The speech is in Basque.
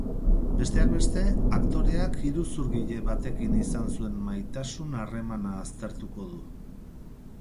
Besteak beste, aktoreak iruzurgile batekin izan zuen maitasun harremana aztertuko du.